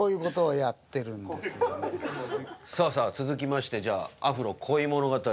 さあさあ続きましてじゃあアフロ恋物語。